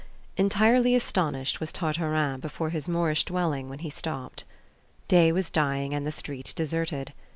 ENTIRELY astonished was Tartarin before his Moorish dwelling when he stopped. Day was dying and the street deserted.